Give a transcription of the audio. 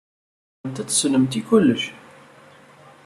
Tzemremt ad teslemt i kullec.